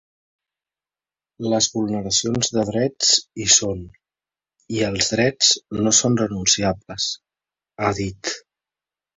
Les vulneracions de drets hi són, i els drets no són renunciables, ha dit.